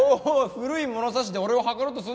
古い物差しで俺を測ろうとするな。